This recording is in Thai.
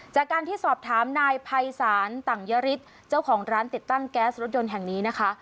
จากการที่สอบถามนายภัยศาลต่างยฤทธิ์เจ้าของร้านติดตั้งแก๊สรถยนต์แห่งนี้นะคะ